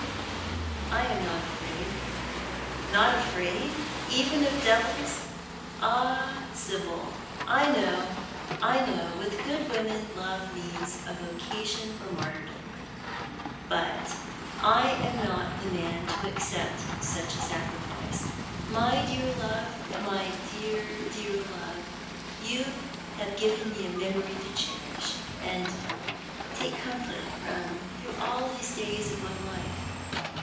I am not afraid " "Not afraid, even of devils? Ah, Sibyl, I know, I know! "With good women love means a vocation for martyrdom. But I am not the man to accept such a sacrifice. My dear love, my dear, dear love, you have given me a memory to cherish and take comfort from through all the days of my life.